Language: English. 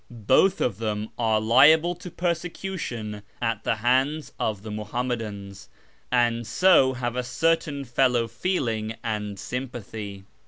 Both of them are liable to persecution at the hands of the Muhammadans, and so have a certain fellow feeling and sympathy.